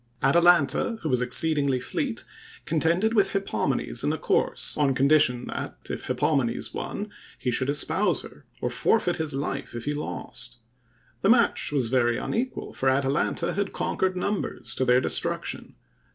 Atalanta, who was exceedingly fleet, contended with Hippomenes in the course, on condition that, if Hippomenes won, he should espouse her, or forfeit his life if he lost. The match was very unequal, for Atalanta had conquered numbers, to their destruction.